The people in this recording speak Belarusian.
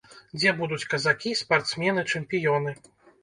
Дзе будуць казакі, спартсмены, чэмпіёны.